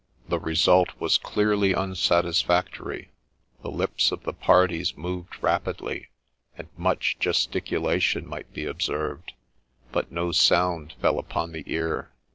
The result was clearly unsatisfactory ; the lips of the parties moved rapidly, and much gesticulation might be observed, but no sound fell upon the ear.